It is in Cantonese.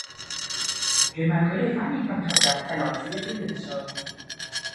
原來佢地反應咁投入係來自一啲元素